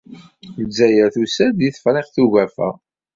Lezzayer tusa-d deg Tefriqt n Ugafa.